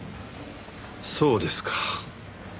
そうですか。